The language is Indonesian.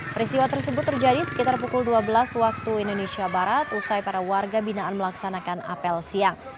peristiwa tersebut terjadi sekitar pukul dua belas waktu indonesia barat usai para warga binaan melaksanakan apel siang